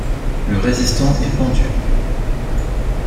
Le résistant est pendu.